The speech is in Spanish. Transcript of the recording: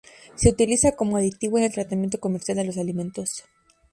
Se utiliza como aditivo en el tratamiento comercial de los alimentos.